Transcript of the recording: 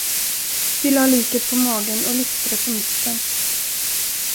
Vi lade liket på magen och lyfte det på mitten.